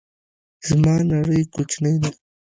زما نړۍ کوچنۍ ده